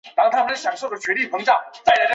在今山东省南部。